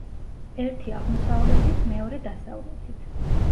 ერთი აღმოსავლეთით, მეორე დასავლეთით.